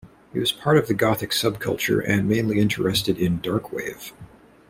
He was part of the gothic subculture and mainly interested in Dark Wave.